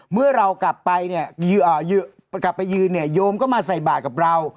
เมื่อเรากลับไปยืนเนี่ยโยมก็มาใส่บาดกับเรา